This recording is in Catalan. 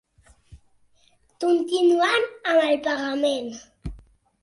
Continuant amb el pagament.